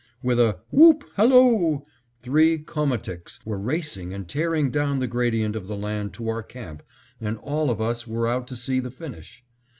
With a "Whoop halloo," three Komaticks were racing and tearing down the gradient of the land to our camp, and all of us were out to see the finish.